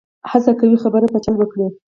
هڅه کوي خبره په چل وکړي.